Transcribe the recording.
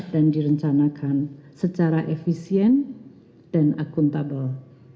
dan direncanakan secara efisien dan akuntabel